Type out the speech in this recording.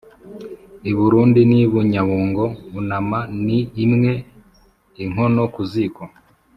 I Burundi n'i Bunyabungo unama ni imwe-Inkono ku ziko.